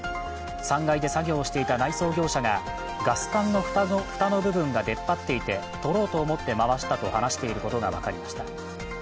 ３階で作業をしていた内装業者がガス管の蓋の部分が出っ張っていて、取ろうと思って回したと話していることが分かりました。